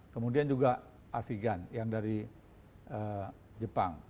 kemudian juga afigan yang dari jepang